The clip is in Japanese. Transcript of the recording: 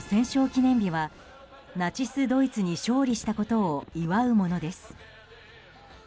記念日はナチスドイツに勝利したことを祝うものです。